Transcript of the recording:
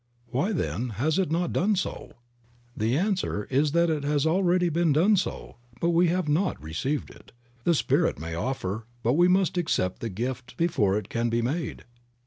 Why, then, has it not done so? The answer is that it has already done so, but we have not received it. The Spirit may offer, but we must accept the gift before it can be made.